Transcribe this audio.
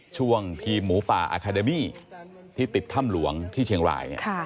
ช่วงทีมหมูป่าอาคาเดมี่ที่ติดถ้ำหลวงที่เชียงรายเนี่ย